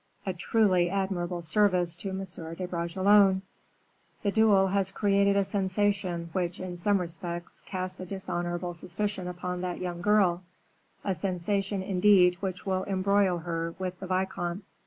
A truly admirable service to M. de Bragelonne! The duel has created a sensation which, in some respects, casts a dishonorable suspicion upon that young girl; a sensation, indeed, which will embroil her with the vicomte.